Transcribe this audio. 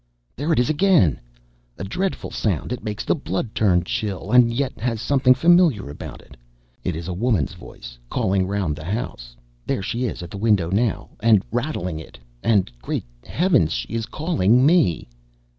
There it is again—a dreadful sound; it makes the blood turn chill, and yet has something familiar about it. It is a woman's voice calling round the house. There, she is at the window now, and rattling it, and, great heavens! she is calling me.